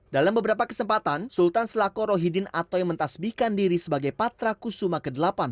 dalam beberapa kesempatan sultan selako rohidin atoy mentasbihkan diri sebagai patra kusuma ke delapan